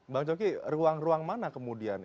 bang coki ruang ruang mana kemudian